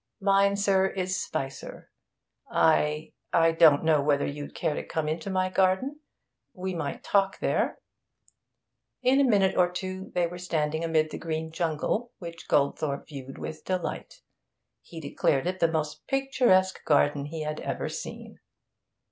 Mine, sir, is Spicer. I I don't know whether you'd care to come into my garden? We might talk there ' In a minute or two they were standing amid the green jungle, which Goldthorpe viewed with delight. He declared it the most picturesque garden he had ever seen.